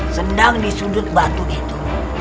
senang disunjut batu itu